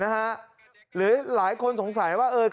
หรือหลายคนสงสัยว่า